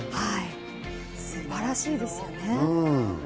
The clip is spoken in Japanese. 素晴らしいですよね。